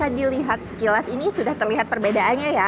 nah memang jika dilihat sekilas ini sudah terlihat perbedaannya ya